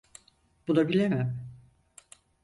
Bunu bilemem.